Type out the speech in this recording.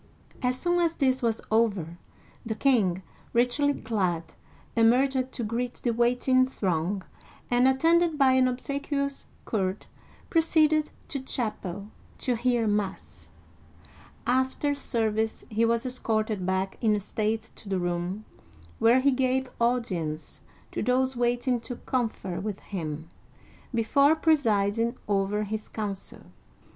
As soon as this was over, the king, richly clad, emerged to greet the waiting throng, and, attended by an obsequious court, proceeded to chapel to hear mass. After service he was escorted back in state to the room where he gave audience to those waiting to confer with him, before pre siding over his council.